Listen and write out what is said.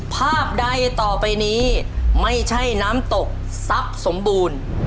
ภาพใดต่อไปนี้ไม่ใช่น้ำตกทรัพย์สมบูรณ์